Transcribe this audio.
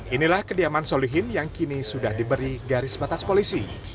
inilah kediaman solihin yang kini sudah diberi garis batas polisi